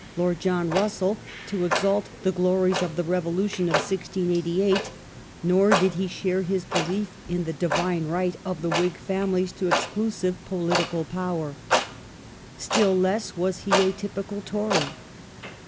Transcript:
Lord John Russell, to exalt the glories of the Revolution of 1688, nor did he share his belief in the divine right of the Whig families to exclusive political power. Still less was he a typical Tory.